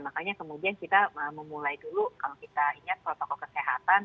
makanya kemudian kita memulai dulu kalau kita ingat protokol kesehatan